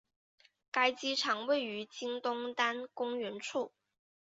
该机场位于今东单公园处。